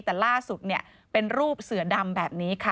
แต่ล่าสุดเป็นรูปเสือดำแบบนี้ค่ะ